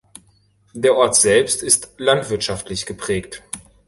Der Ort selbst ist landwirtschaftlich geprägt.